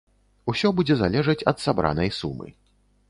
Усё будзе залежаць ад сабранай сумы.